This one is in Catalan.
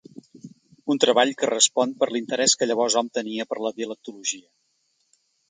Un treball que respon per l’interès que llavors hom tenia per la dialectologia.